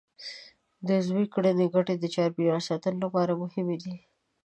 د عضوي کرنې ګټې د چاپېریال ساتنې لپاره مهمې دي.